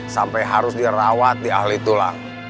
sampai harus dirawat di ahli tulang